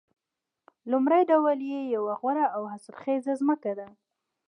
لومړی ډول یې یوه غوره او حاصلخیزه ځمکه ده